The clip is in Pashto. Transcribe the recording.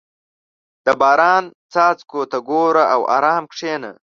• د باران څاڅکو ته ګوره او ارام کښېنه.